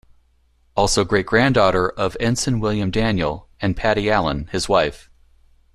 Also great-granddaughter of Ensign William Daniel and Pattie Allen, his wife.